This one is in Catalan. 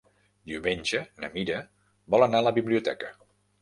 Diumenge na Mira vol anar a la biblioteca.